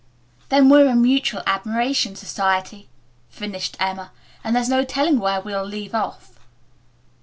"Then we're a mutual admiration society," finished Emma, "and there's no telling where we'll leave off."